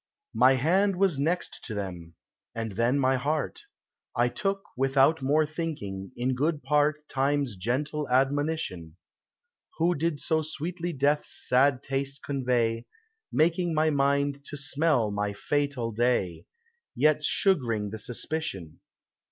My hand was next to them, and then my heart; I took, without more thinking, in good part Time's gentle admonition ; Who did so sweetly death's sad taste convey, Making my minde to smell my fatall day, Yet sug'ring the suspicion.